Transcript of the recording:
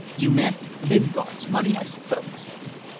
You meant Lingard's money, I suppose.